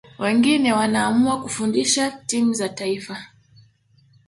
wengine wanaamua kufundisha timu za taifa